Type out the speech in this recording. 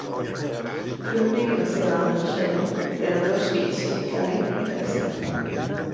Krumrie i la seva dona, Cheryl, tenen dos fills, Kelly i Dexter.